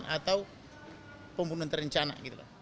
atau pembunuhan terencana